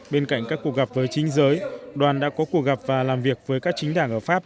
bên cạnh các cuộc gặp với chính giới đoàn đã có cuộc gặp và làm việc với các chính đảng ở pháp